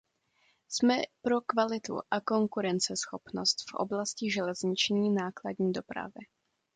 Jsme pro kvalitu a konkurenceschopnost v oblasti železniční nákladní dopravy.